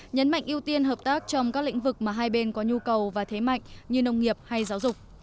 nhấn mạnh ưu tiên hợp tác trong các lĩnh vực mà hai bên có nhu cầu và thế mạnh như nông nghiệp hay giáo dục